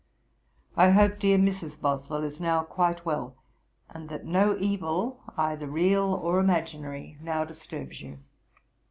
'I hope dear Mrs. Boswell is now quite well, and that no evil, either real or imaginary, now disturbs you.